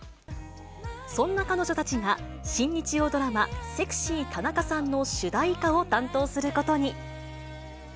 そんな彼女たちが、新日曜ドラマ、セクシー田中さんの主題歌を担当することに。